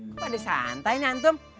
kok pada santai nih antum